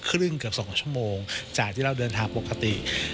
ครึ่งเกือบ๒ชั่วโมงจากที่เราเดินทางปกติ